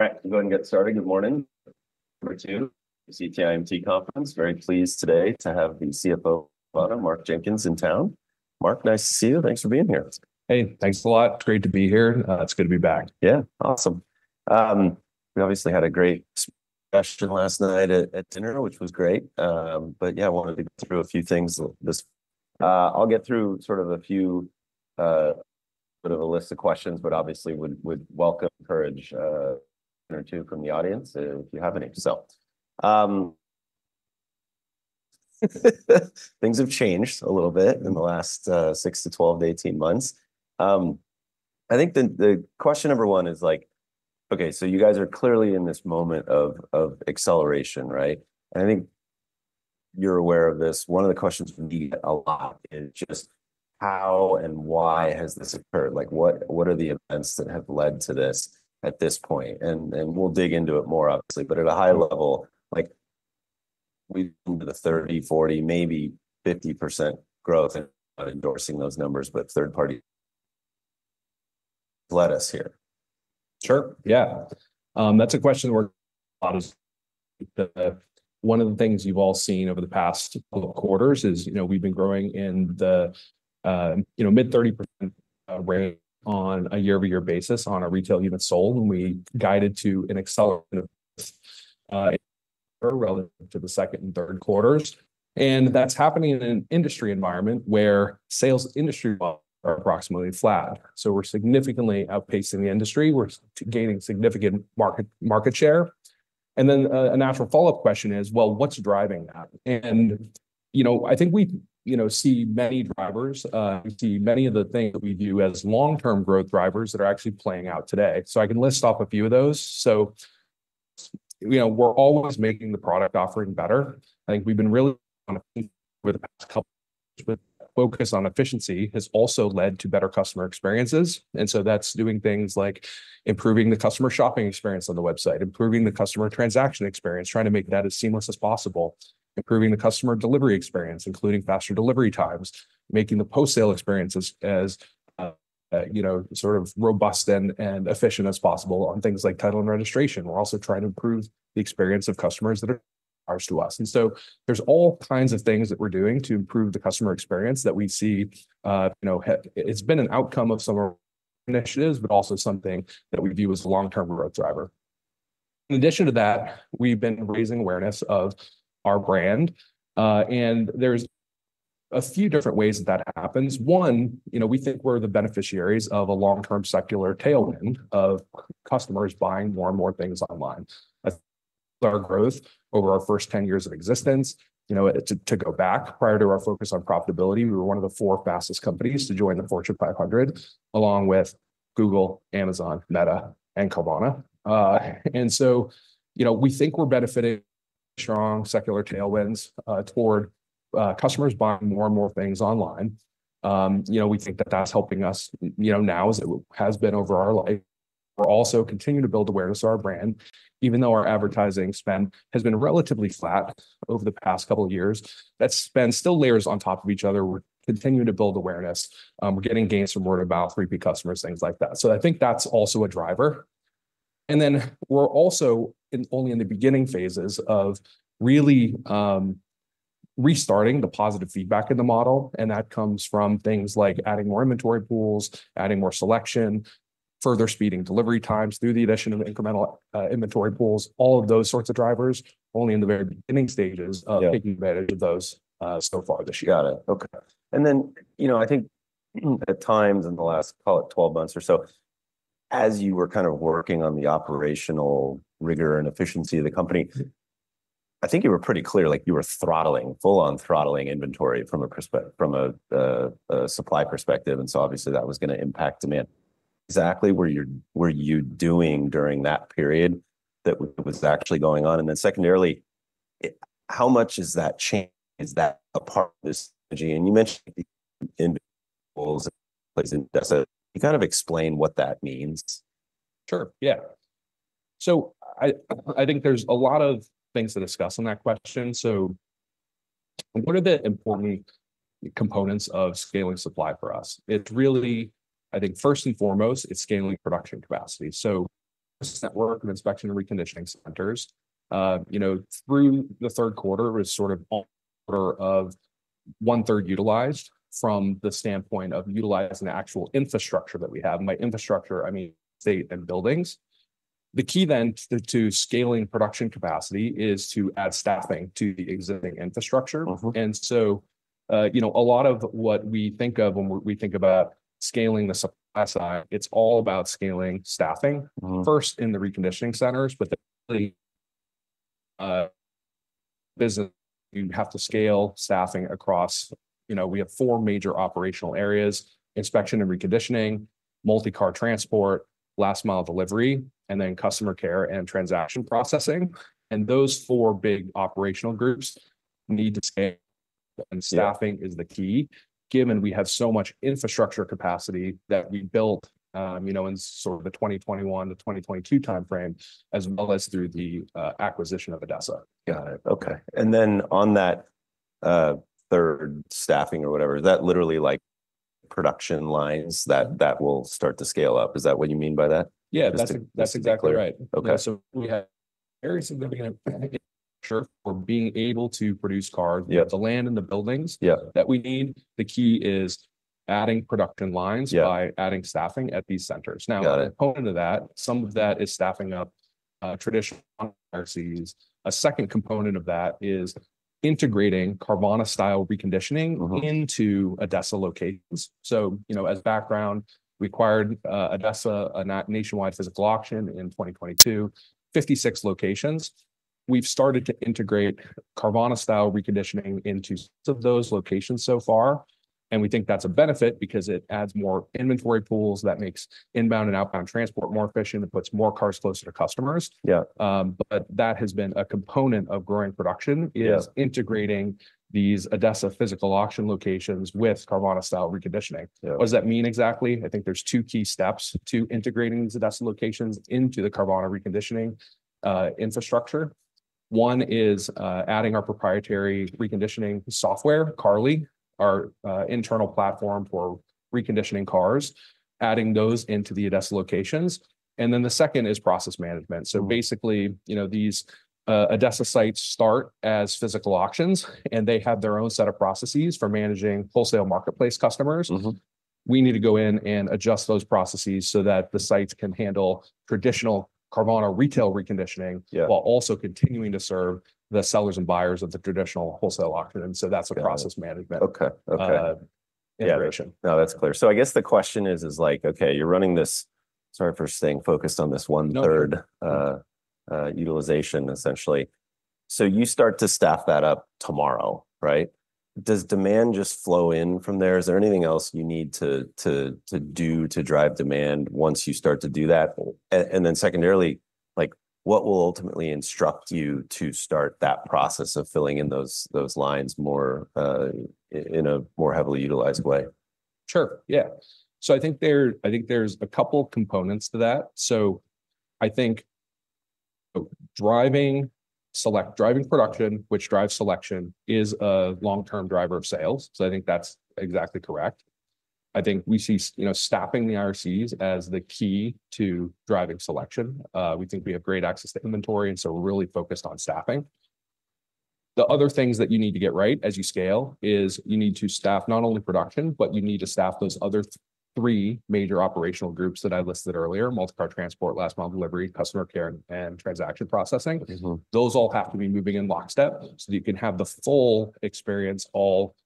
All right, to go ahead and get started. Good morning. Number two, Citi TMT Conference. Very pleased today to have the CFO of Carvana, Mark Jenkins, in town. Mark, nice to see you. Thanks for being here. Hey, thanks a lot. It's great to be here. It's good to be back. Yeah, awesome. We obviously had a great discussion last night at dinner, which was great. But yeah, I wanted to go through a few things. I'll get through sort of a few, sort of a list of questions, but obviously would welcome, encourage one or two from the audience if you have any. So, things have changed a little bit in the last six to 12 to 18 months. I think the question number one is like, okay, so you guys are clearly in this moment of acceleration, right? And I think you're aware of this. One of the questions we need a lot is just how and why has this occurred? Like what are the events that have led to this at this point? We'll dig into it more, obviously, but at a high level, like we've been to the 30%, 40%, maybe 50% growth and endorsing those numbers, but third party led us here. Sure. Yeah. That's a question that we get a lot of. One of the things you've all seen over the past couple of quarters is we've been growing at a mid-30% rate on a year-over-year basis on retail units sold when we guided to accelerated growth relative to the second and third quarters, and that's happening in an industry environment where industry sales are approximately flat, so we're significantly outpacing the industry. We're gaining significant market share, and then a natural follow-up question is, well, what's driving that? And I think we see many drivers. We see many of the things that we view as long-term growth drivers that are actually playing out today, so I can list off a few of those, so we're always making the product offering better. I think we've been really on a roll over the past couple of years. Our focus on efficiency has also led to better customer experiences, and so that's doing things like improving the customer shopping experience on the website, improving the customer transaction experience, trying to make that as seamless as possible, improving the customer delivery experience, including faster delivery times, making the post-sale experiences as sort of robust and efficient as possible on things like title and registration. We're also trying to improve the experience of customers that are selling cars to us, and so there's all kinds of things that we're doing to improve the customer experience that we see. It's been an outcome of some initiatives, but also something that we view as a long-term growth driver. In addition to that, we've been raising awareness of our brand, and there's a few different ways that that happens. One, we think we're the beneficiaries of a long-term secular tailwind of customers buying more and more things online. That's our growth over our first 10 years of existence. To go back, prior to our focus on profitability, we were one of the four fastest companies to join the Fortune 500, along with Google, Amazon, Meta, and Carvana. And so we think we're benefiting strong secular tailwinds toward customers buying more and more things online. We think that that's helping us now as it has been over our life. We're also continuing to build awareness of our brand. Even though our advertising spend has been relatively flat over the past couple of years, that spend still layers on top of each other. We're continuing to build awareness. We're getting gains from word of mouth, repeat customers, things like that. So I think that's also a driver. And then we're also only in the beginning phases of really restarting the positive feedback in the model. And that comes from things like adding more inventory pools, adding more selection, further speeding delivery times through the addition of incremental inventory pools, all of those sorts of drivers, only in the very beginning stages of taking advantage of those so far this year. Got it. Okay. Then I think at times in the last, call it 12 months or so, as you were kind of working on the operational rigor and efficiency of the company, I think you were pretty clear like you were throttling, full-on throttling inventory from a supply perspective. So obviously that was going to impact demand. Exactly what were you doing during that period that was actually going on? Then secondarily, how much is that change? Is that a part of this strategy? You mentioned inventory pools in place. So you kind of explain what that means. Sure. Yeah, so I think there's a lot of things to discuss on that question. What are the important components of scaling supply for us? It's really, I think, first and foremost, it's scaling production capacity. This network of inspection and reconditioning centers through the third quarter was sort of on the order of one-third utilized from the standpoint of utilizing the actual infrastructure that we have. And by infrastructure, I mean space and buildings. The key then to scaling production capacity is to add staffing to the existing infrastructure. And so a lot of what we think of when we think about scaling the supply side, it's all about scaling staffing. First in the reconditioning centers, but the business, you have to scale staffing across. We have four major operational areas: inspection and reconditioning, multi-car transport, last-mile delivery, and then customer care and transaction processing. Those four big operational groups need to scale, and staffing is the key. Given we have so much infrastructure capacity that we built in sort of the 2021 to 2022 timeframe, as well as through the acquisition of ADESA. Got it. Okay. And then on that third staffing or whatever, is that literally like production lines that will start to scale up? Is that what you mean by that? Yeah, that's exactly right. So we have very significant advantage for being able to produce cars with the land and the buildings that we need. The key is adding production lines by adding staffing at these centers. Now, the component of that, some of that is staffing up traditional cars. A second component of that is integrating Carvana-style reconditioning into ADESA locations. So as background, we acquired ADESA, a nationwide physical auction in 2022, 56 locations. We've started to integrate Carvana-style reconditioning into some of those locations so far. And we think that's a benefit because it adds more inventory pools that makes inbound and outbound transport more efficient and puts more cars closer to customers. But that has been a component of growing production is integrating these ADESA physical auction locations with Carvana-style reconditioning. What does that mean exactly? I think there's two key steps to integrating these ADESA locations into the Carvana reconditioning infrastructure. One is adding our proprietary reconditioning software, CARLI, our internal platform for reconditioning cars, adding those into the ADESA locations, and then the second is process management, so basically, these ADESA sites start as physical auctions, and they have their own set of processes for managing wholesale marketplace customers. We need to go in and adjust those processes so that the sites can handle traditional Carvana retail reconditioning while also continuing to serve the sellers and buyers of the traditional wholesale auction, and so that's a process management integration. No, that's clear. So I guess the question is like, okay, you're running this, sorry, first thing focused on this one-third utilization, essentially. So you start to staff that up tomorrow, right? Does demand just flow in from there? Is there anything else you need to do to drive demand once you start to do that? And then secondarily, what will ultimately instruct you to start that process of filling in those lines in a more heavily utilized way? Sure. Yeah. So I think there's a couple of components to that. So I think driving production, which drives selection, is a long-term driver of sales. So I think that's exactly correct. I think we see staffing the IRCs as the key to driving selection. We think we have great access to inventory, and so we're really focused on staffing. The other things that you need to get right as you scale is you need to staff not only production, but you need to staff those other three major operational groups that I listed earlier: multi-car transport, last-mile delivery, customer care, and transaction processing. Those all have to be moving in lockstep so that you can have the full experience all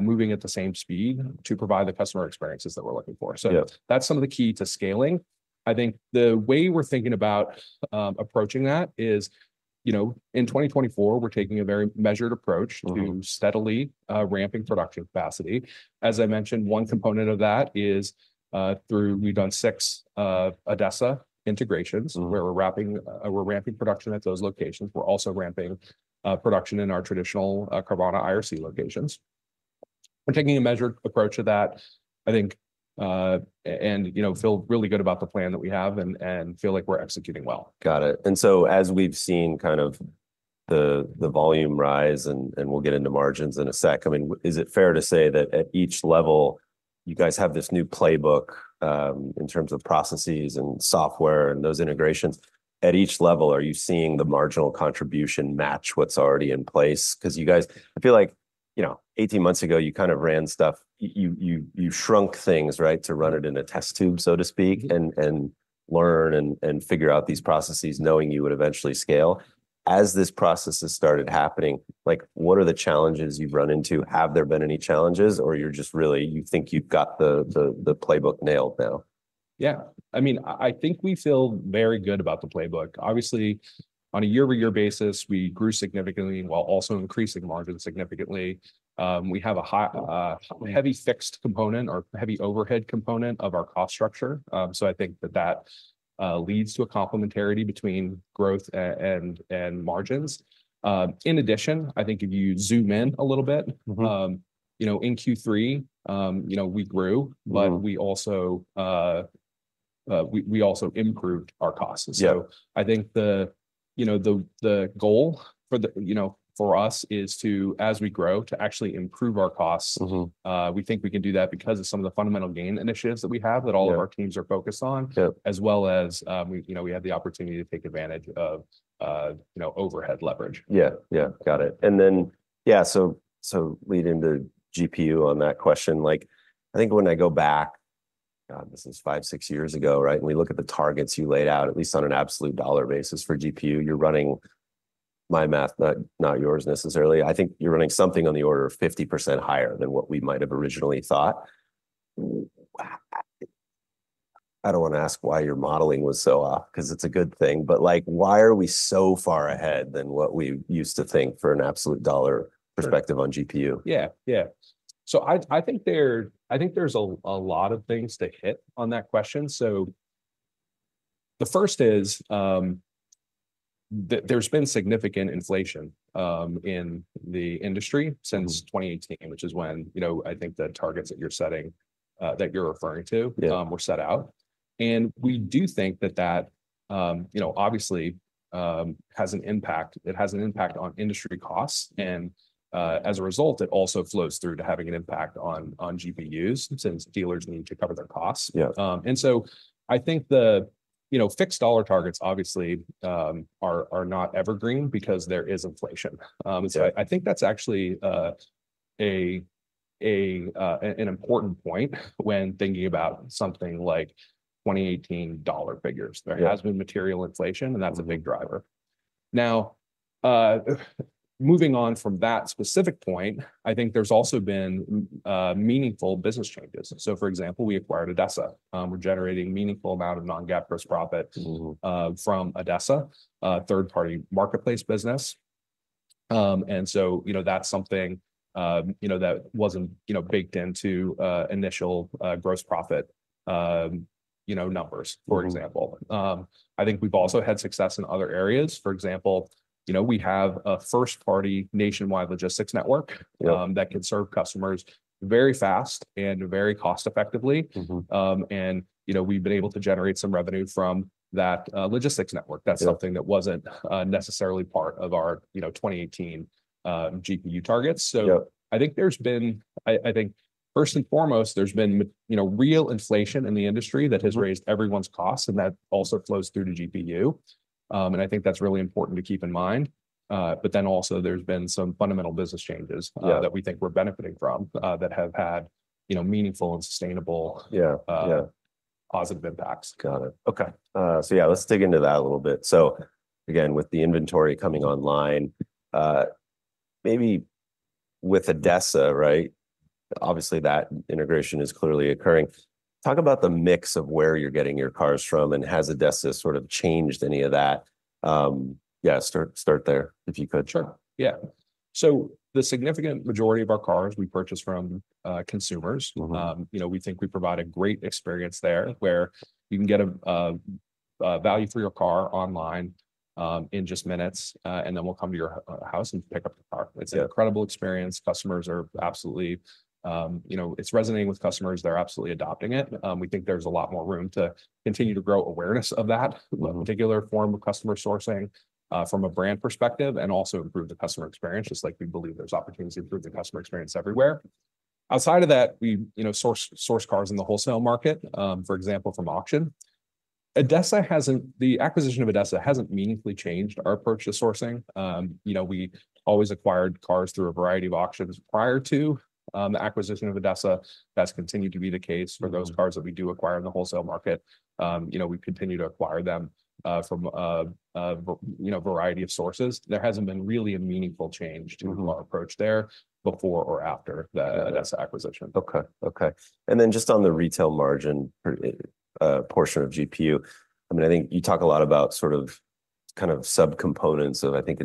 moving at the same speed to provide the customer experiences that we're looking for. So that's some of the key to scaling. I think the way we're thinking about approaching that is in 2024, we're taking a very measured approach to steadily ramping production capacity. As I mentioned, one component of that is through we've done six ADESA integrations where we're ramping production at those locations. We're also ramping production in our traditional Carvana IRC locations. We're taking a measured approach to that, I think, and feel really good about the plan that we have and feel like we're executing well. Got it. And so as we've seen kind of the volume rise and we'll get into margins in a sec, I mean, is it fair to say that at each level you guys have this new playbook in terms of processes and software and those integrations? At each level, are you seeing the marginal contribution match what's already in place? Because you guys, I feel like 18 months ago, you kind of ran stuff. You shrunk things, right, to run it in a test tube, so to speak, and learn and figure out these processes knowing you would eventually scale. As this process has started happening, what are the challenges you've run into? Have there been any challenges or you're just really, you think you've got the playbook nailed now? Yeah. I mean, I think we feel very good about the playbook. Obviously, on a year-over-year basis, we grew significantly while also increasing margins significantly. We have a heavy fixed component or heavy overhead component of our cost structure. So I think that that leads to a complementarity between growth and margins. In addition, I think if you zoom in a little bit, in Q3, we grew, but we also improved our costs. So I think the goal for us is to, as we grow, to actually improve our costs. We think we can do that because of some of the fundamental gain initiatives that we have that all of our teams are focused on, as well as we have the opportunity to take advantage of overhead leverage. Yeah. Yeah. Got it. And then, yeah, so leading to GPU on that question, I think when I go back, God, this is five, six years ago, right? And we look at the targets you laid out, at least on an absolute dollar basis for GPU, you're running, my math, not yours necessarily. I think you're running something on the order of 50% higher than what we might have originally thought. I don't want to ask why your modeling was so off because it's a good thing, but why are we so far ahead than what we used to think for an absolute dollar perspective on GPU? Yeah. Yeah. So I think there's a lot of things to hit on that question. So the first is there's been significant inflation in the industry since 2018, which is when I think the targets that you're setting, that you're referring to, were set out, and we do think that that obviously has an impact. It has an impact on industry costs, and as a result, it also flows through to having an impact on GPUs since dealers need to cover their costs, and so I think the fixed dollar targets obviously are not evergreen because there is inflation, so I think that's actually an important point when thinking about something like 2018 dollar figures. There has been material inflation, and that's a big driver. Now, moving on from that specific point, I think there's also been meaningful business changes. So for example, we acquired ADESA. We're generating a meaningful amount of non-GAAP gross profit from ADESA, a third-party marketplace business, and so that's something that wasn't baked into initial gross profit numbers, for example. I think we've also had success in other areas. For example, we have a first-party nationwide logistics network that can serve customers very fast and very cost-effectively. And we've been able to generate some revenue from that logistics network. That's something that wasn't necessarily part of our 2018 GPU targets. I think there's been, I think, first and foremost, there's been real inflation in the industry that has raised everyone's costs and that also flows through to GPU. And I think that's really important to keep in mind, but then also there's been some fundamental business changes that we think we're benefiting from that have had meaningful and sustainable positive impacts. Got it. Okay. So yeah, let's dig into that a little bit. So again, with the inventory coming online, maybe with ADESA, right? Obviously, that integration is clearly occurring. Talk about the mix of where you're getting your cars from and has ADESA sort of changed any of that? Yeah, start there if you could. Sure. Yeah. So the significant majority of our cars we purchase from consumers. We think we provide a great experience there where you can get a value for your car online in just minutes, and then we'll come to your house and pick up the car. It's an incredible experience. Customers are absolutely. It's resonating with customers. They're absolutely adopting it. We think there's a lot more room to continue to grow awareness of that particular form of customer sourcing from a brand perspective and also improve the customer experience, just like we believe there's opportunity to improve the customer experience everywhere. Outside of that, we source cars in the wholesale market, for example, from auction. The acquisition of ADESA hasn't meaningfully changed our approach to sourcing. We always acquired cars through a variety of auctions prior to the acquisition of ADESA. That's continued to be the case for those cars that we do acquire in the wholesale market. We continue to acquire them from a variety of sources. There hasn't been really a meaningful change to our approach there before or after the ADESA acquisition. Okay. Okay. And then just on the retail margin portion of GPU, I mean, I think you talk a lot about sort of kind of subcomponents of, I think,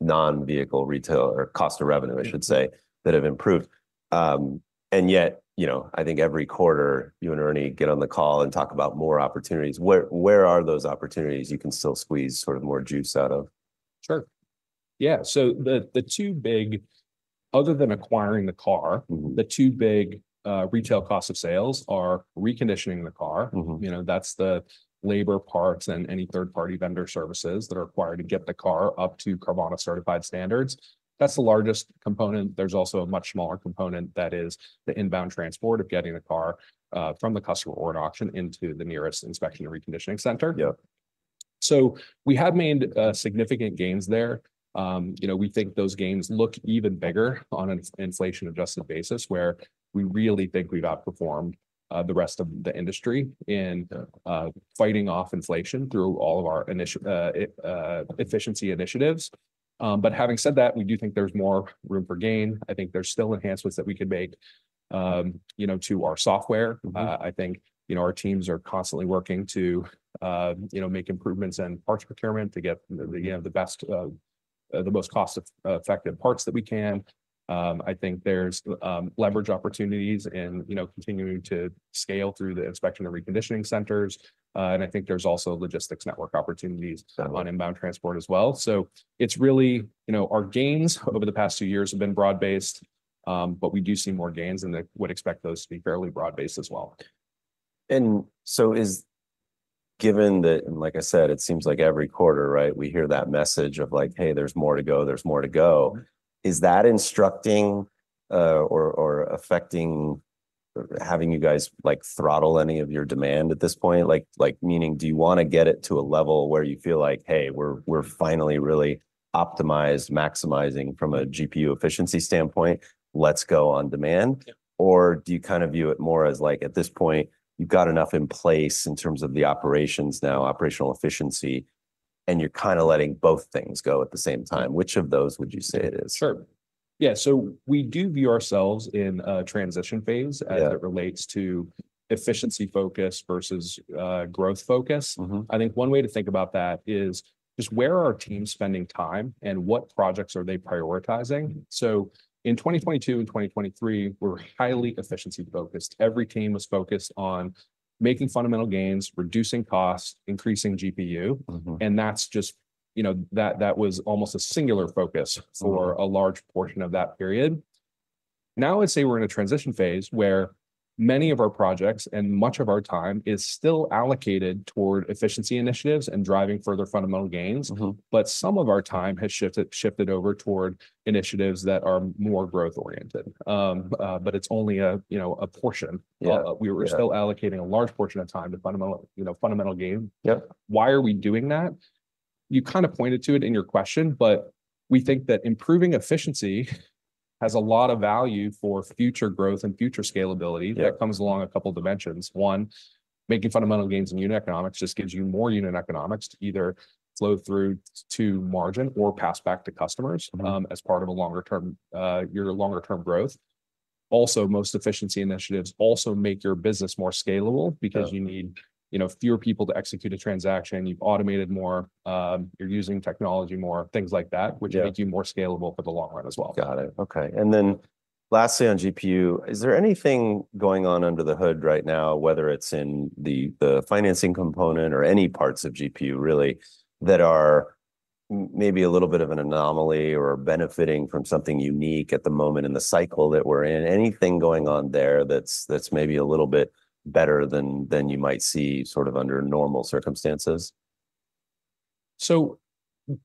non-vehicle retail or cost of revenue, I should say, that have improved. And yet, I think every quarter, you and Ernie get on the call and talk about more opportunities. Where are those opportunities you can still squeeze sort of more juice out of? Sure. Yeah. So the two big, other than acquiring the car, the two big retail costs of sales are reconditioning the car. That's the labor, parts, and any third-party vendor services that are required to get the car up to Carvana-certified standards. That's the largest component. There's also a much smaller component that is the inbound transport of getting the car from the customer or an auction into the nearest inspection and reconditioning center. So we have made significant gains there. We think those gains look even bigger on an inflation-adjusted basis where we really think we've outperformed the rest of the industry in fighting off inflation through all of our efficiency initiatives. But having said that, we do think there's more room for gain. I think there's still enhancements that we could make to our software. I think our teams are constantly working to make improvements in parts procurement to get the best, the most cost-effective parts that we can. I think there's leverage opportunities in continuing to scale through the inspection and reconditioning centers, and I think there's also logistics network opportunities on inbound transport as well, so it's really our gains over the past two years have been broad-based, but we do see more gains and would expect those to be fairly broad-based as well. And so given that, and like I said, it seems like every quarter, right, we hear that message of like, "Hey, there's more to go, there's more to go." Is that instructing or affecting having you guys throttle any of your demand at this point? Meaning, do you want to get it to a level where you feel like, "Hey, we're finally really optimized, maximizing from a GPU efficiency standpoint, let's go on demand"? Or do you kind of view it more as like, at this point, you've got enough in place in terms of the operations now, operational efficiency, and you're kind of letting both things go at the same time? Which of those would you say it is? Sure. Yeah. So we do view ourselves in a transition phase as it relates to efficiency focus versus growth focus. I think one way to think about that is just where are our teams spending time and what projects are they prioritizing? So in 2022 and 2023, we're highly efficiency-focused. Every team was focused on making fundamental gains, reducing costs, increasing GPU. And that was almost a singular focus for a large portion of that period. Now I'd say we're in a transition phase where many of our projects and much of our time is still allocated toward efficiency initiatives and driving further fundamental gains, but some of our time has shifted over toward initiatives that are more growth-oriented. But it's only a portion. We were still allocating a large portion of time to fundamental gains. Why are we doing that? You kind of pointed to it in your question, but we think that improving efficiency has a lot of value for future growth and future scalability that comes along a couple of dimensions. One, making fundamental gains in unit economics just gives you more unit economics to either flow through to margin or pass back to customers as part of your longer-term growth. Also, most efficiency initiatives also make your business more scalable because you need fewer people to execute a transaction. You've automated more. You're using technology more, things like that, which make you more scalable for the long run as well. Got it. Okay. And then lastly on GPU, is there anything going on under the hood right now, whether it's in the financing component or any parts of GPU really that are maybe a little bit of an anomaly or benefiting from something unique at the moment in the cycle that we're in? Anything going on there that's maybe a little bit better than you might see sort of under normal circumstances? So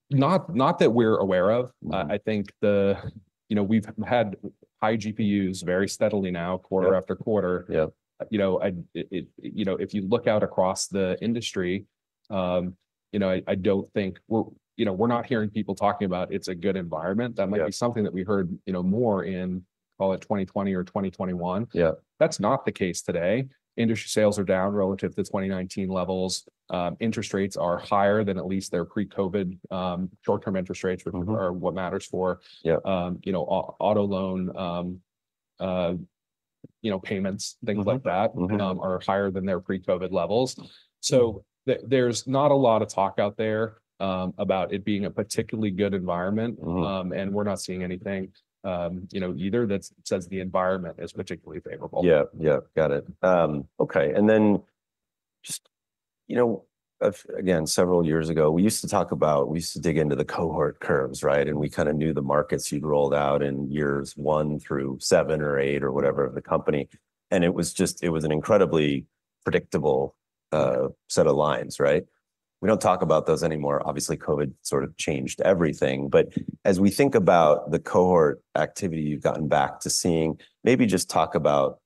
not that we're aware of. I think we've had high GPUs very steadily now, quarter after quarter. If you look out across the industry, I don't think we're not hearing people talking about it's a good environment. That might be something that we heard more in, call it 2020 or 2021. That's not the case today. Industry sales are down relative to 2019 levels. Interest rates are higher than at least their pre-COVID short-term interest rates, which are what matters for auto loan payments. Things like that are higher than their pre-COVID levels. So there's not a lot of talk out there about it being a particularly good environment, and we're not seeing anything either that says the environment is particularly favorable. Yeah. Yeah. Got it. Okay, and then just, again, several years ago, we used to talk about, we used to dig into the cohort curves, right, and we kind of knew the markets you'd rolled out in years one through seven or eight or whatever of the company, and it was just, it was an incredibly predictable set of lines, right? We don't talk about those anymore. Obviously, COVID sort of changed everything, but as we think about the cohort activity you've gotten back to seeing, maybe just talk about,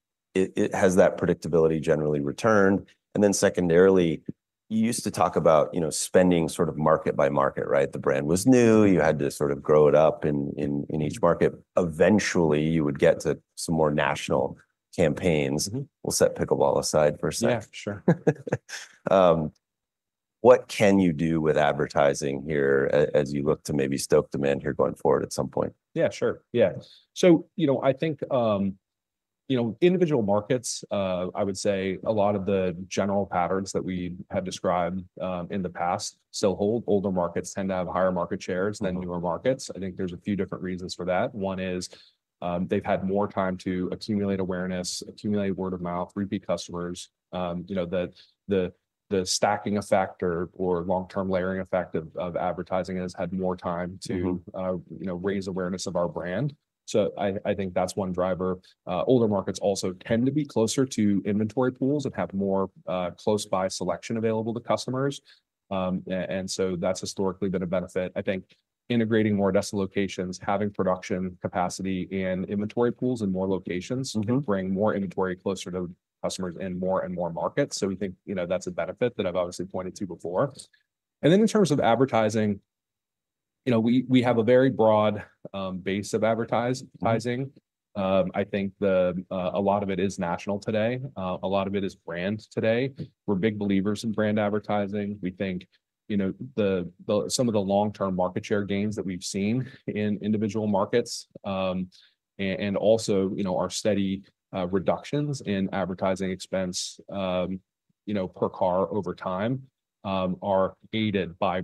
has that predictability generally returned, and then secondarily, you used to talk about spending sort of market by market, right? The brand was new. You had to sort of grow it up in each market. Eventually, you would get to some more national campaigns. We'll set Pickleball aside for a sec. Yeah, sure. What can you do with advertising here as you look to maybe stoke demand here going forward at some point? Yeah, sure. Yeah, so I think individual markets, I would say a lot of the general patterns that we have described in the past still hold. Older markets tend to have higher market shares than newer markets. I think there's a few different reasons for that. One is they've had more time to accumulate awareness, accumulate word of mouth, repeat customers. The stacking effect or long-term layering effect of advertising has had more time to raise awareness of our brand, so I think that's one driver. Older markets also tend to be closer to inventory pools and have more close-by selection available to customers, and so that's historically been a benefit. I think integrating more desk locations, having production capacity and inventory pools in more locations will bring more inventory closer to customers in more and more markets, so we think that's a benefit that I've obviously pointed to before. And then in terms of advertising, we have a very broad base of advertising. I think a lot of it is national today. A lot of it is brand today. We're big believers in brand advertising. We think some of the long-term market share gains that we've seen in individual markets and also our steady reductions in advertising expense per car over time are aided by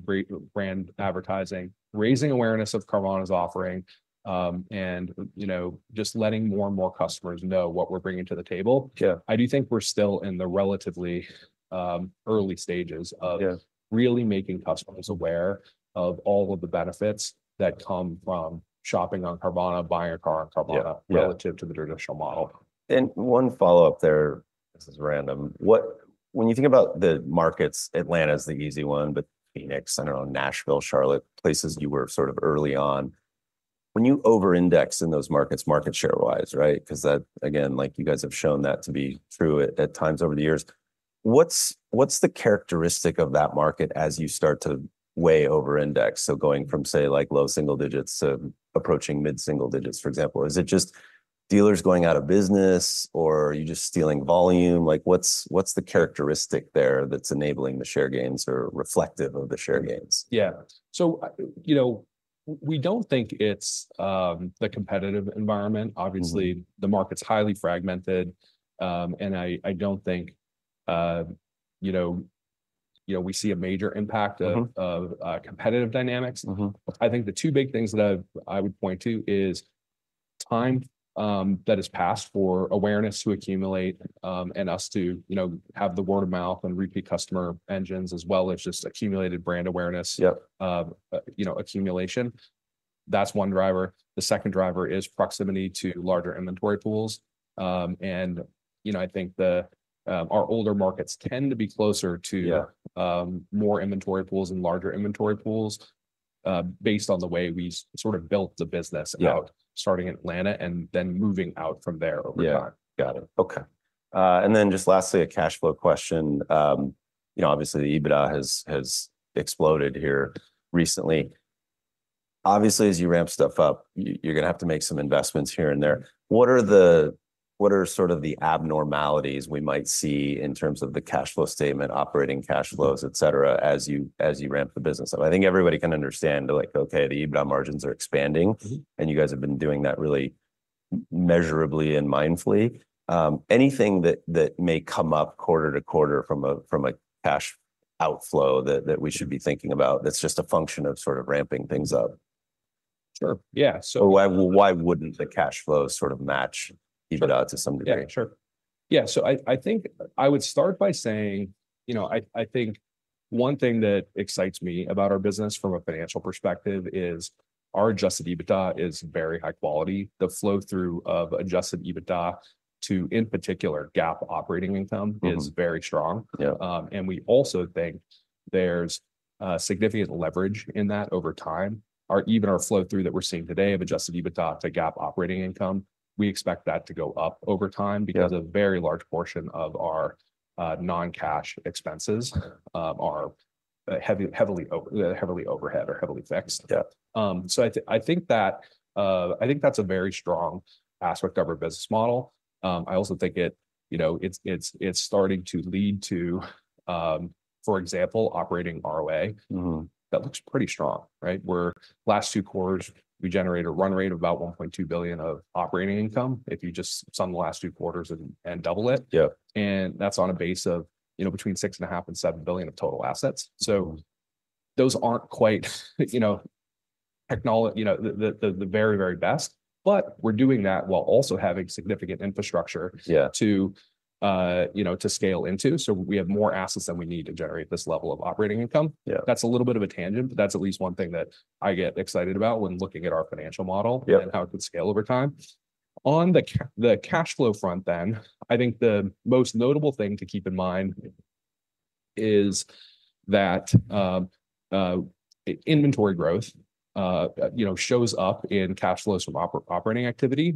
brand advertising, raising awareness of Carvana's offering, and just letting more and more customers know what we're bringing to the table. I do think we're still in the relatively early stages of really making customers aware of all of the benefits that come from shopping on Carvana, buying a car on Carvana relative to the traditional model. And one follow-up there, this is random. When you think about the markets, Atlanta is the easy one, but Phoenix, I don't know, Nashville, Charlotte, places you were sort of early on. When you over-index in those markets, market share-wise, right? Because that, again, like you guys have shown that to be true at times over the years. What's the characteristic of that market as you start to way over-index? So going from, say, like low single digits to approaching mid-single digits, for example. Is it just dealers going out of business or you just stealing volume? What's the characteristic there that's enabling the share gains or reflective of the share gains? Yeah. So we don't think it's the competitive environment. Obviously, the market's highly fragmented, and I don't think we see a major impact of competitive dynamics. I think the two big things that I would point to is time that has passed for awareness to accumulate and us to have the word of mouth and repeat customer engines as well as just accumulated brand awareness accumulation. That's one driver. The second driver is proximity to larger inventory pools, and I think our older markets tend to be closer to more inventory pools and larger inventory pools based on the way we sort of built the business out starting in Atlanta and then moving out from there over time. Got it. Okay. And then just lastly, a cash flow question. Obviously, the EBITDA has exploded here recently. Obviously, as you ramp stuff up, you're going to have to make some investments here and there. What are sort of the abnormalities we might see in terms of the cash flow statement, operating cash flows, etc., as you ramp the business up? I think everybody can understand that, okay, the EBITDA margins are expanding and you guys have been doing that really measurably and mindfully. Anything that may come up quarter to quarter from a cash outflow that we should be thinking about that's just a function of sort of ramping things up? Sure. Yeah. Why wouldn't the cash flow sort of match EBITDA to some degree? Yeah. Sure. Yeah. So I think I would start by saying I think one thing that excites me about our business from a financial perspective is our Adjusted EBITDA is very high quality. The flow-through of Adjusted EBITDA to, in particular, GAAP Operating Income is very strong. And we also think there's significant leverage in that over time. Even our flow-through that we're seeing today of Adjusted EBITDA to GAAP Operating Income, we expect that to go up over time because a very large portion of our non-cash expenses are heavily overhead or heavily fixed. So I think that's a very strong aspect of our business model. I also think it's starting to lead to, for example, Operating ROA. That looks pretty strong, right? Over last two quarters, we generated a run rate of about $1.2 billion of operating income if you just sum the last two quarters and double it. And that's on a base of between $6.5 billion and $7 billion of total assets. So those aren't quite the very, very best, but we're doing that while also having significant infrastructure to scale into. So we have more assets than we need to generate this level of operating income. That's a little bit of a tangent, but that's at least one thing that I get excited about when looking at our financial model and how it could scale over time. On the cash flow front then, I think the most notable thing to keep in mind is that inventory growth shows up in cash flows from operating activity.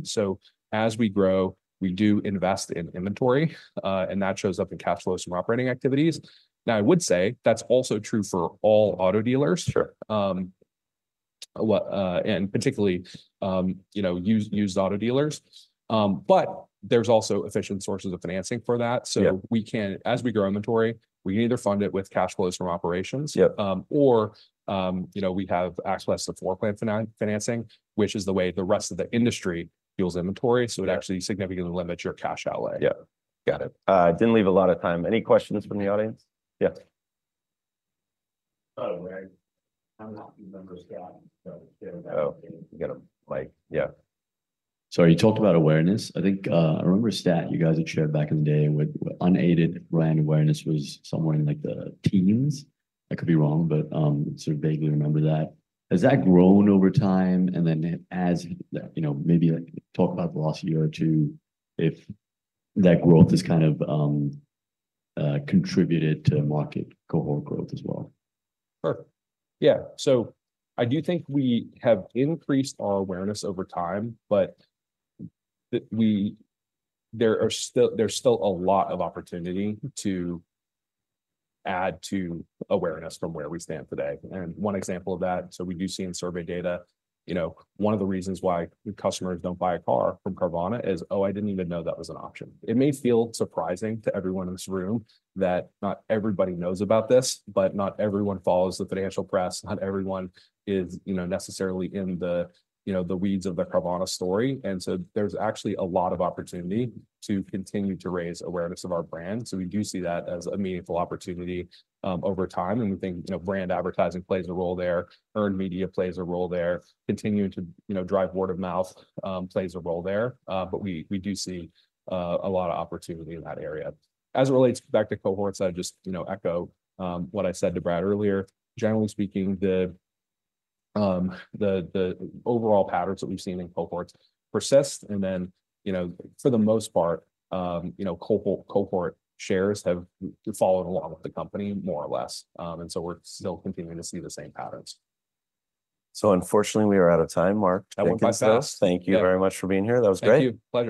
As we grow, we do invest in inventory, and that shows up in cash flows from operating activities. Now, I would say that's also true for all auto dealers, and particularly used auto dealers. There's also efficient sources of financing for that. As we grow inventory, we can either fund it with cash flows from operations or we have access to floor plan financing, which is the way the rest of the industry fuels inventory. It actually significantly limits your cash outlay. Yeah. Got it. Didn't leave a lot of time. Any questions from the audience? Yeah. Oh, Greg. I don't remember that stat. Oh, you got a mic. Yeah. Sorry, you talked about awareness. I think I remember a stat you guys had shared back in the day with unaided brand awareness was somewhere in like the teens. I could be wrong, but sort of vaguely remember that. Has that grown over time? And then maybe talk about the last year or two if that growth has kind of contributed to market cohort growth as well. Sure. Yeah. So I do think we have increased our awareness over time, but there's still a lot of opportunity to add to awareness from where we stand today. And one example of that, so we do see in survey data, one of the reasons why customers don't buy a car from Carvana is, "Oh, I didn't even know that was an option." It may feel surprising to everyone in this room that not everybody knows about this, but not everyone follows the financial press. Not everyone is necessarily in the weeds of the Carvana story. And so there's actually a lot of opportunity to continue to raise awareness of our brand. So we do see that as a meaningful opportunity over time. And we think brand advertising plays a role there. Earned media plays a role there. Continuing to drive word of mouth plays a role there. But we do see a lot of opportunity in that area. As it relates back to cohorts, I just echo what I said to Brad earlier. Generally speaking, the overall patterns that we've seen in cohorts persist. And then for the most part, cohort shares have followed along with the company more or less. And so we're still continuing to see the same patterns. So unfortunately, we are out of time, Mark. I think that's it. Thank you very much for being here. That was great. Thank you, Brad.